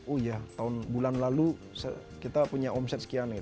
oh ya tahun bulan lalu kita punya omset sekian